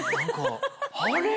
あれ？